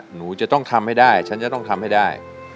หนูจะต้องทำให้ได้ฉันจะต้องทำให้ได้